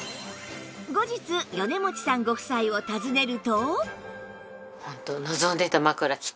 後日米持さんご夫妻を訪ねると